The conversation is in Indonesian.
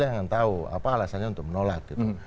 yang tahu apa alasannya untuk menolak gitu